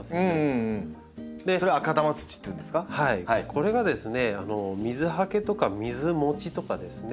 これがですね水はけとか水もちとかですね